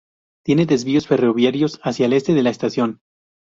Tiene desvíos ferroviarios hacia el este de la estación.